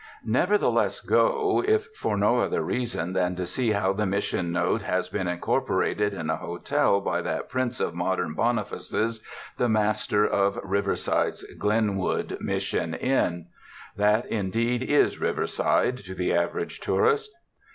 Nevertheless go, if for no other rrason than to see how the Mission note has been incorporated in a hotel by that prince of modern Bonifaces, the master of Riverside's Glenwood Mission Inn. That, indeed, is Riverside to the average tourist.